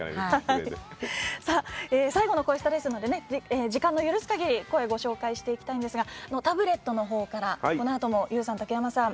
最後の「こえスタ」ですので、時間の許すかぎり声をご紹介していきますがタブレットのほうからＹＯＵさん、竹山さん